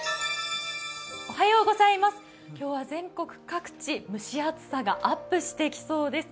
今日は全国各地、蒸し暑さがアップしてきそうです。